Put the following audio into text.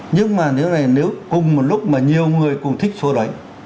nhưng mà nếu cùng một lúc mà nhiều người cùng thích số đấy